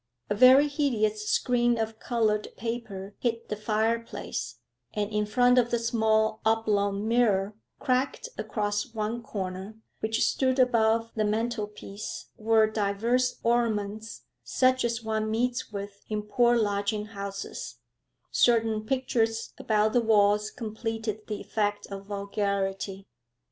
A very hideous screen of coloured paper hid the fireplace, and in front of the small oblong mirror cracked across one corner which stood above the mantelpiece were divers ornaments such as one meets with in poor lodging houses; certain pictures about the walls completed the effect of vulgarity.